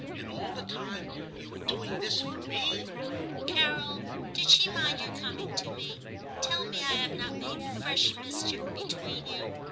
And all the time you were doing this for me !' 'Carol, did she mind your coming to me? Tell me I have not made fresh mis chief between you